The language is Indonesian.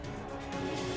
jalan jalan banjir